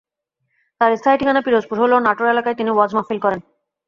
তাঁর স্থায়ী ঠিকানা পিরোজপুরে হলেও নাটোর এলাকায় তিনি ওয়াজ মাহফিল করেন।